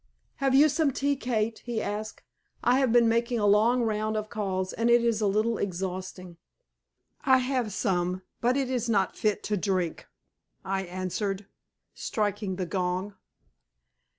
"Have you some tea, Kate?" he asked. "I have been making a long round of calls, and it is a little exhausting." "I have some, but it is not fit to drink," I answered, striking the gong.